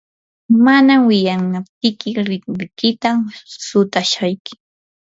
mana wiyamaptiyki rinrikitam sutashayki.